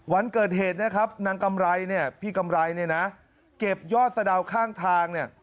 วันเกิดเหตุนะครับพี่กำไรเก็บยอดสะดาวข้างทาง